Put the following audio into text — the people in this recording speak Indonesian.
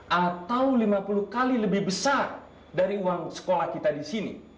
atau lima puluh kali lebih besar dari uang sekolah kita di sini